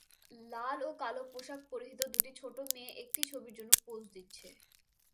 লাল ও কালো পোশাক পরিহিত দুটি ছোট মেয়ে একটি ছবির জন্য পোজ দিচ্ছে